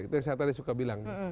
itu yang saya tadi suka bilang